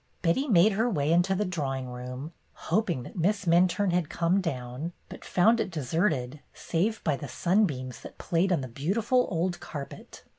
Betty made her way into the drawing room, hoping that YOUNG MR. MINTURNE 119 Miss Minturne had come down, but found it deserted save by the sunbeams that played on the beautiful old carpet.